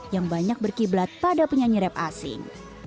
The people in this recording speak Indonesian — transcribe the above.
yang banyak berkiblat pada penyanyi rap asing